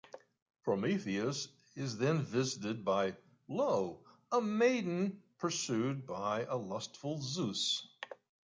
Prometheus is then visited by Io, a maiden pursued by a lustful Zeus.